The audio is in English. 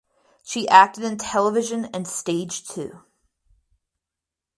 She acted in television and stage too.